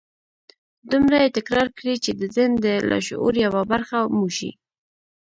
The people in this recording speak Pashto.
دومره يې تکرار کړئ چې د ذهن د لاشعور يوه برخه مو شي.